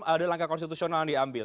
ada langkah konstitusional yang diambil